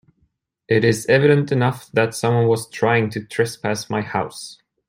It is evident enough that someone was trying to trespass my house.